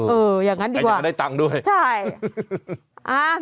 เออยังงั้นดีกว่าใช่แกยังไม่ได้ตังค์ด้วย